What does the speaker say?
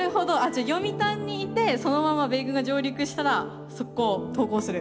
じゃあ読谷にいてそのまま米軍が上陸したら速攻投降する。